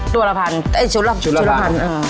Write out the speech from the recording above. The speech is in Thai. ตั้งแต่ที่ชุดละพัน